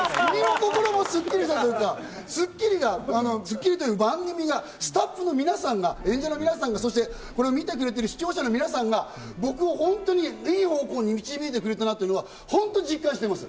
僕もスッキリしたというか、『スッキリ』という番組が、スタッフの皆さん、演者の皆さんがそしてこれを見てくれてる視聴者の皆さんが僕を本当に良い方向に導いてくれたなというのは実感しています。